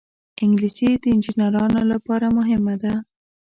انګلیسي د انجینرانو لپاره مهمه ده